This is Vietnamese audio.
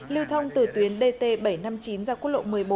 lưu thông từ tuyến dt bảy trăm năm mươi chín ra quốc lộ một mươi bốn